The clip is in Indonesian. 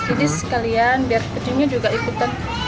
jadi sekalian biar bajunya juga ikutan